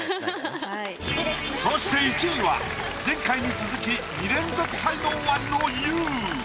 そして１位は前回に続き２連続才能アリのＹＯＵ。